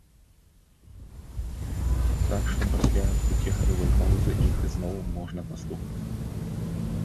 Так што пасля пяцігадовай паўзы іх зноў можна паслухаць.